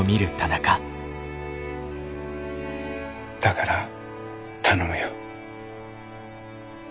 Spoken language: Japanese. だから頼むよ。